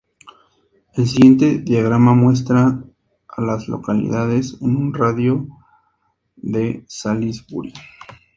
El siguiente diagrama muestra a las localidades en un radio de de Salisbury.